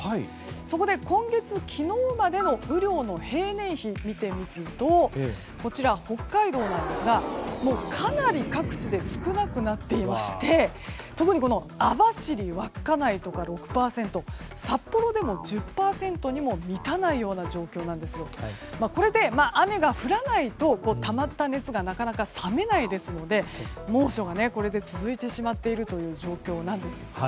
そこで今月、昨日までの雨量の平年比を見てみると北海道ですが、かなり各地で少なくなっていまして特に網走、稚内とか６％札幌でも１０％にも満たないような状況なんですよ。これで雨が降らないとたまった熱が、なかなか冷めないですので猛暑がこれで続いてしまっている状況なんですよね。